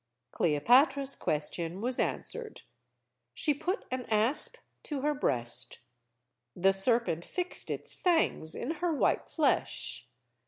Cleopatra's question was answered. She put an asp to her breast. The serpent fixed its fangs in her white flesh.